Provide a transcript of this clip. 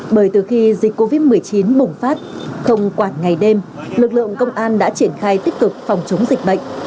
bởi từ khi dịch covid một mươi chín bùng phát không quản ngày đêm lực lượng công an đã triển khai tích cực phòng chống dịch bệnh